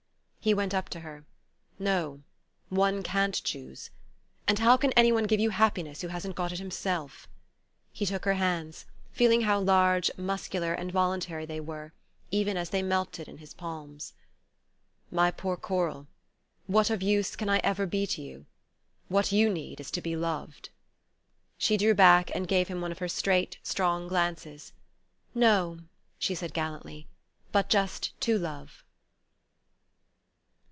He went up to her. "No, one can't choose. And how can anyone give you happiness who hasn't got it himself?" He took her hands, feeling how large, muscular and voluntary they were, even as they melted in his palms. "My poor Coral, of what use can I ever be to you? What you need is to be loved." She drew back and gave him one of her straight strong glances: "No," she said gallantly, "but just to love."